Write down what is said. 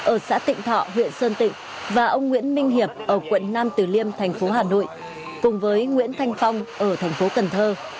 ở xã tịnh thọ huyện sơn tịnh và ông nguyễn minh hiệp ở quận nam tử liêm thành phố hà nội cùng với nguyễn thanh phong ở thành phố cần thơ